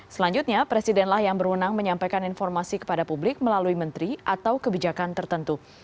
selanjutnya presidenlah yang berwenang menyampaikan informasi kepada publik melalui menteri atau kebijakan tertentu